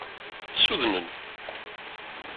Ssudnen.